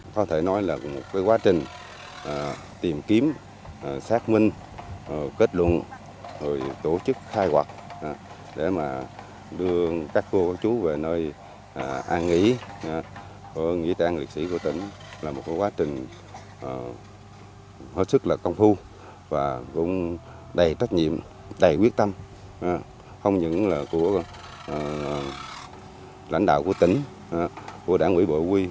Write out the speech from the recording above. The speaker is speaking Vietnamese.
có thể nói là một quá trình tìm kiếm xác minh kết luận rồi tổ chức khai hoạt để mà đưa các cô các chú về nơi an nghỉ nghỉ trang liệt sĩ của tỉnh là một quá trình hết sức là công thu và cũng đầy trách nhiệm đầy quyết tâm không những là của lãnh đạo của tỉnh của đảng ủy bộ quy